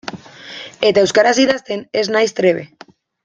Eta euskaraz idazten ez naiz trebe.